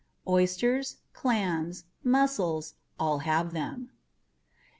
Oysters, clams, mussels all have them.